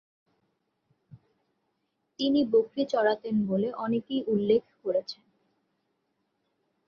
তিনি বকরি চরাতেন বলে অনেকেই উল্লেখ করেছেন।